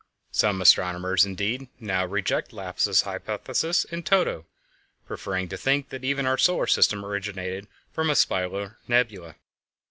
Some astronomers, indeed, now reject Laplace's hypothesis in toto, preferring to think that even our solar system originated from a spiral nebula.